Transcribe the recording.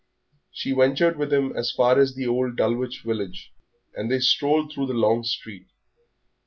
She ventured with him as far as the old Dulwich village, and they strolled through the long street.